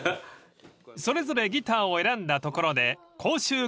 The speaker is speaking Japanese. ［それぞれギターを選んだところで講習開始］